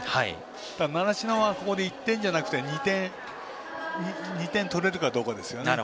習志野は１点じゃなくて２点取れるかどうかですね。